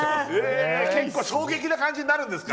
衝撃な感じになるんですか。